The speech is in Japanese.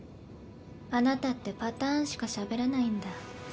あなたってパターンしかしゃべらないんだ。